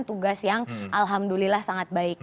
tugas yang alhamdulillah sangat baik